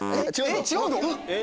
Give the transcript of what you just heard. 違うの？